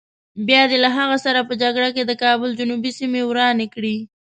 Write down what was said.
بیا دې له هغه سره په جګړه کې د کابل جنوبي سیمې ورانې کړې.